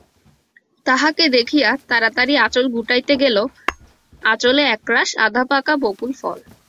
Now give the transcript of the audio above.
তাহাকে দেখিয়া তাড়াতাড়ি আঁচল গুটািইতে গেল-আঁচলে একরাশ আধাপাকা বকুল ফল।